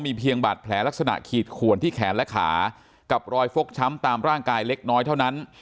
เพียงบาดแผลลักษณะขีดขวนที่แขนและขากับรอยฟกช้ำตามร่างกายเล็กน้อยเท่านั้น